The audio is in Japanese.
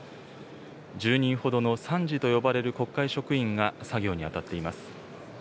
１０人ほどの参事と呼ばれる国会職員が作業に当たっています。